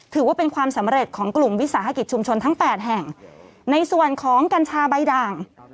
ถือว่าเป็นความสำเร็จของกลุ่มวิสาหกิจชุมชนทั้งแปดแห่งในส่วนของกัญชาใบด่าง